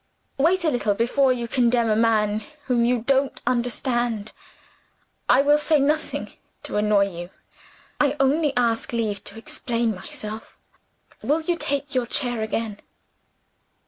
Wait a little before you condemn a man whom you don't understand. I will say nothing to annoy you I only ask leave to explain myself. Will you take your chair again?"